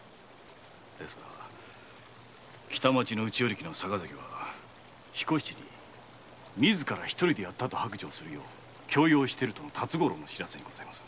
ですが北町の内与力坂崎は彦七に自ら独りでやったと白状するよう強要しているとの辰五郎の報せにございます。